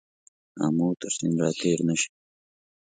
آمو تر سیند را تېر نه شې.